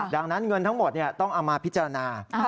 ดังนั้นเงินทั้งหมดต้องเอามาพิจารณา